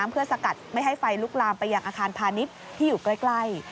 เพื่อสกัดไม่ให้ไฟลุกลามไปยังอาคารพาณิชย์ที่อยู่ใกล้